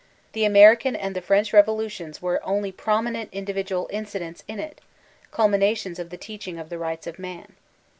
The American and the French revolutions were only prominent individual incidents in it, culminations of the teachings of the Rights of Man.